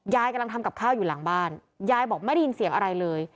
ยายกำลังทำกับข้าวอยู่หลังบ้านยายบอกไม่ได้ยินเสียงอะไรเลย